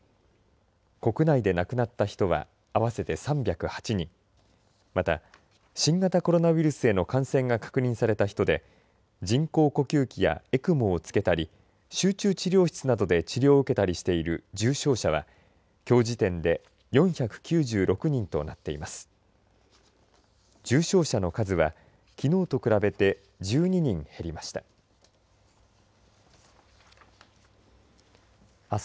国内で亡くなった人は合わせて３０８人また、新型コロナウイルスへの感染が確認された人で人工呼吸器やＥＣＭＯをつけたり集中治療室などで治療を受けたりしている重症者はきょう時点で４９６人となっています。